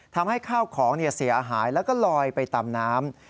ทำให้ข้าวของเสียหายแล้วก็ลอยไปตามน้ำ